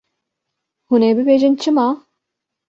Hûn ê bibêjin çima?